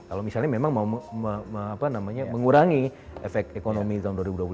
kalau misalnya memang mau mengurangi efek ekonomi tahun dua ribu dua puluh